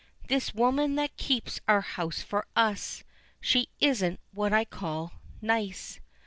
This woman that keeps our house for us She isn't what I call nice.